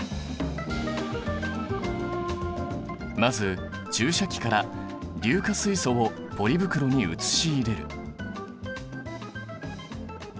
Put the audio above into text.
まず注射器から硫化水素をポリ袋に移し入れる。